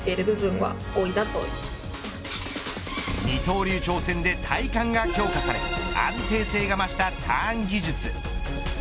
二刀流挑戦で体幹が強化され安定性が増したターン技術。